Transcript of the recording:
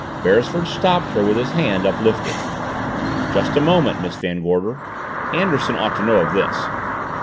Beresford stopped her with his hand uplifted. "Just a moment, Miss Van Gorder. Anderson ought to know of this."